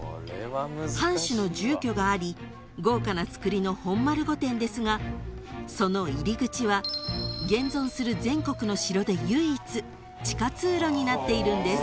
［藩主の住居があり豪華なつくりの本丸御殿ですがその入り口は現存する全国の城で唯一地下通路になっているんです］